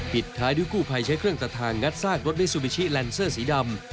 ปิดท้ายด้วยกู้ภัยใช้เครื่องตัดทางงัดซากรถมิซูบิชิแลนเซอร์สีดำ